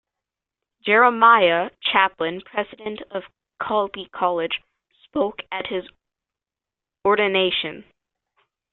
Jeremiah Chaplin, President of Colby College, spoke at his ordination.